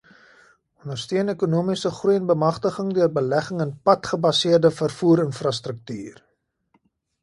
Ondersteun ekonomiese groei en bemagtiging deur belegging in padgebaseerde vervoerinfrastruktuur.